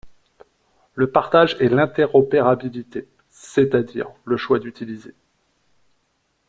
le partage et l'interopérabilité, c'est à dire le choix d'utiliser